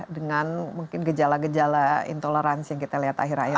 dengan mungkin gejala gejala intoleransi yang kita lihat akhir akhir ini